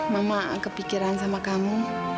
mama kepikiran sama kamu